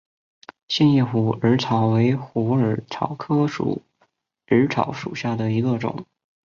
线叶虎耳草为虎耳草科虎耳草属下的一个种。